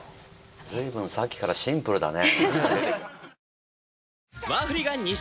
ずいぶんさっきからシンプルだね。